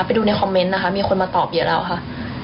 ไปดูในคอมเมนต์นะคะมีคนมาตอบเยอะแล้วค่ะ